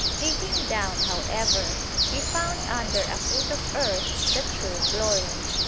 Digging down, however, we found under a foot of earth the true flooring.